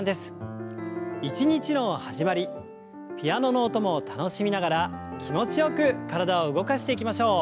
一日の始まりピアノの音も楽しみながら気持ちよく体を動かしていきましょう。